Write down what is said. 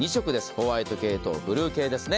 ホワイト系とブルー系ですね。